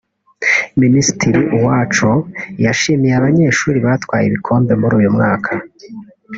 Minisitiri Uwacu yashimiye abanyeshuri batwaye ibikombe muri uyu mwaka